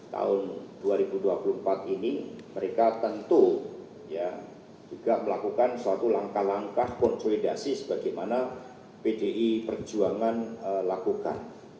tahun dua ribu dua puluh empat ini mereka tentu juga melakukan suatu langkah langkah konsolidasi sebagaimana pdi perjuangan lakukan